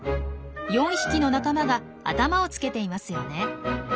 ４匹の仲間が頭を付けていますよね。